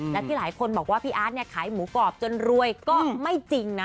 และที่หลายคนบอกว่าพี่อาร์ตขายหมูกรอบจนรวยก็ไม่จริงนะ